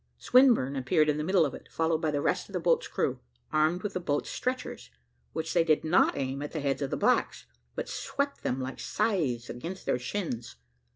Swinburne appeared in the middle of it, followed by the rest of the boat's crew, armed with the boat's stretchers, which they did not aim at the heads of the blacks, but swept them like scythes against their shins.